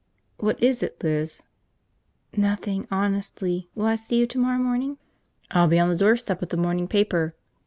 "What is it, Liz?" "Nothing, honestly. Will I see you tomorrow morning?" "I'll be on the doorstep with the morning paper.